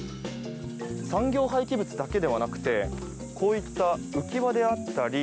産業廃棄物だけではなくてこういった浮き輪であったり